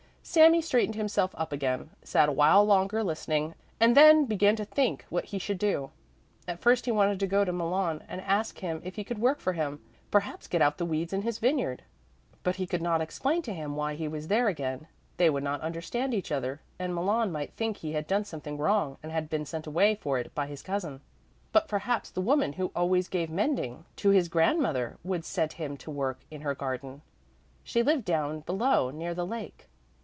Sami straightened himself up again, sat a while longer listening, and then began to think what he should do. At first he wanted to go to Malon and ask him if he could work for him, perhaps get out the weeds in his vineyard. But he could not explain to him why he was there again; they would not understand each other and Malon might think he had done something wrong and had been sent away for it by his cousin. But perhaps the woman who always gave mending to his grandmother would set him to work in her garden. She lived down below, near the Lake.